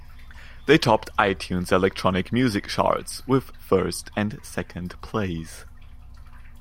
They topped iTunes electronic music charts with first and second place.